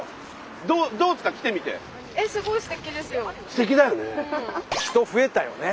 すてきだよね。